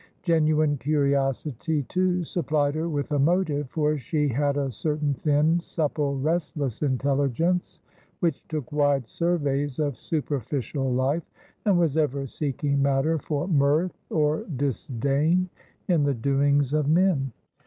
Genuine curiosity, too, supplied her with a motive, for she had a certain thin, supple, restless intelligence, which took wide surveys of superficial life, and was ever seeking matter for mirth or disdain in the doings of men.